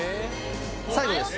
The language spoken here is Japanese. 最後です